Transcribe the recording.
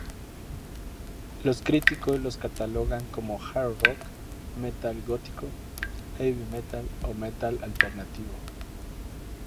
Los críticos los catalogan como Hard Rock, metal gótico, Heavy Metal o Metal Alternativo.